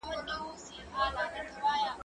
زه بازار ته نه ځم،